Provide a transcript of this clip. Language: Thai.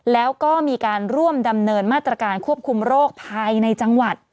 แล้วก็มีการร่วมดำเนินมาตรการควบคุมโรคภายในจังหวัด